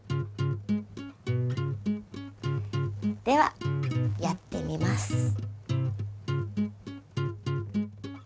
ではやってみます。